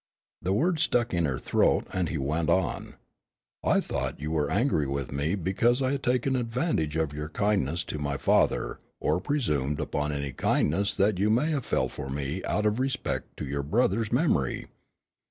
The words stuck in her throat, and he went on, "I thought you were angry with me because I had taken advantage of your kindness to my father, or presumed upon any kindness that you may have felt for me out of respect to your brother's memory.